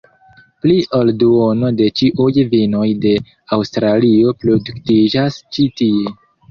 Pli ol duono de ĉiuj vinoj de Aŭstralio produktiĝas ĉi tie.